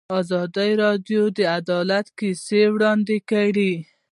ازادي راډیو د عدالت کیسې وړاندې کړي.